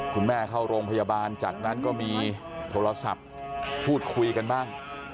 เข้าโรงพยาบาลจากนั้นก็มีโทรศัพท์พูดคุยกันบ้าง